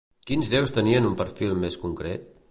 Quins déus tenien un perfil més concret?